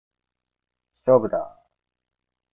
勝負だー！